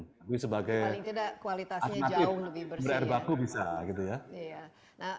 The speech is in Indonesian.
tapi sebagai air baku bisa